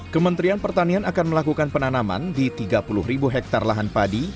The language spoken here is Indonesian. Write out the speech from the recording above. kementerian pertanian akan melakukan penanaman di tiga puluh ribu hektare lahan padi